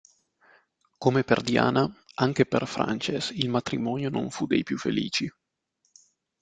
Come per Diana, anche per Frances il matrimonio non fu dei più felici.